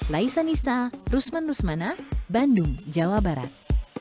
laisa nisa rusman rusmana bandung jawa barat